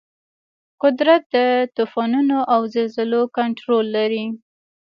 قدرت د طوفانونو او زلزلو کنټرول لري.